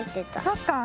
そっかあ。